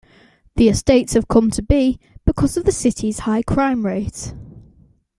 The estates have come to be because of the city's high crime rate.